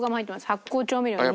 発酵調味料に。